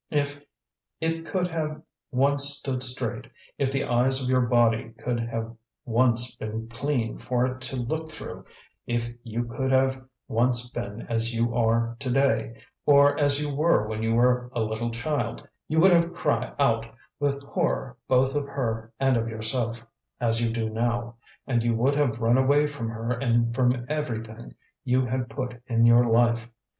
If it could have once stood straight, if the eyes of your body could have once been clean for it to look through, if you could have once been as you are to day, or as you were when you were a little child, you would have cry out with horror both of her and of yourself, as you do now; and you would have run away from her and from everything you had put in your life.